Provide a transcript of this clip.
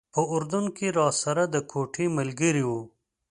په اردن کې راسره د کوټې ملګری و.